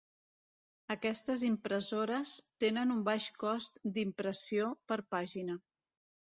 Aquestes impressores tenen un baix cost d'impressió per pàgina.